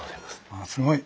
あっすごい。